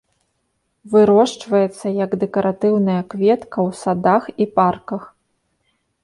Вырошчваецца як дэкаратыўная кветка ў садах і парках.